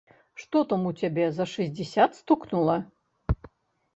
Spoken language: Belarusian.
Што там у цябе за шэсцьдзесят стукнула?